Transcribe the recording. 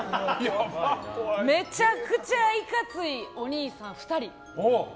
めちゃくちゃいかついお兄さん